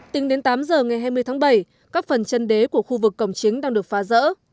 tính đến tám giờ ngày hai mươi tháng bảy các phần chân đế của khu vực cổng chính đang được phá rỡ